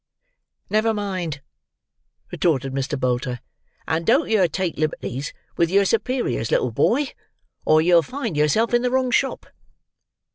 "Never mind," retorted Mr. Bolter; "and don't yer take liberties with yer superiors, little boy, or yer'll find yerself in the wrong shop."